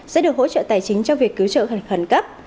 sẽ được hỗ trợ tài chính cho việc cứu trợ khẩn cấp